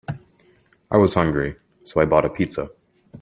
I was hungry, so I bought a pizza.